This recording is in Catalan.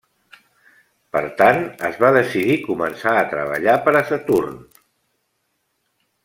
Per tant, es va decidir començar a treballar para Saturn.